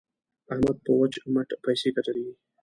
احمد په وچ مټ پيسې ګټلې دي.